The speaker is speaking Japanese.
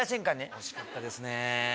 惜しかったですね。